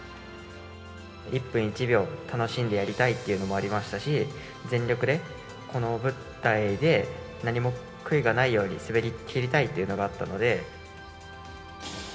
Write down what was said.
一分一秒、楽しんでやりたいというのもありましたし、全力でこの舞台で何も悔いがないように滑りきりたいっていうのがあったので。